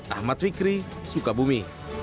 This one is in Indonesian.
ahmad fikri sukabumi